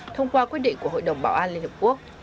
thông qua quyết định của hội đồng bảo an liên hợp quốc